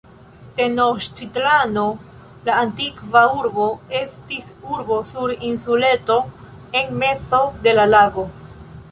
Tenoĉtitlano, la antikva urbo, estis urbo sur insuleto en mezo de lago.